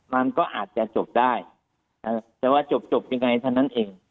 มันก็อาจจะจบได้แต่ว่าจบยังไงเท่านั้นเอง